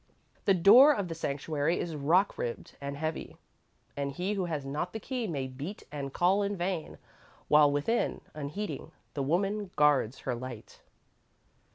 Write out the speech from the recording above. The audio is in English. The door of the sanctuary is rock ribbed and heavy, and he who has not the key may beat and call in vain, while within, unheeding, the woman guards her light.